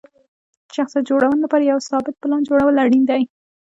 د شخصیت جوړونې لپاره یو ثابت پلان جوړول اړین دي.